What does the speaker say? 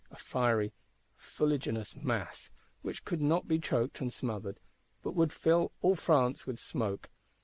A fiery fuliginous mass, which could not be choked and smothered, but would fill all France with smoke.